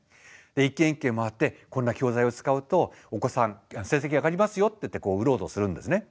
一軒一軒回って「こんな教材を使うとお子さん成績上がりますよ」って言ってこう売ろうとするんですね。